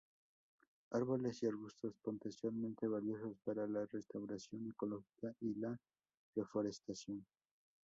Árboles y arbustos potencialmente valiosos para la restauración ecológica y la reforestación.